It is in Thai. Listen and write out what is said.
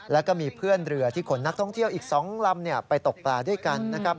แล้วก็มีเพื่อนเรือที่ขนนักท่องเที่ยวอีก๒ลำไปตกปลาด้วยกันนะครับ